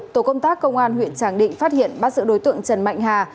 tổ công tác công an huyện tràng định phát hiện bắt giữ đối tượng trần mạnh hà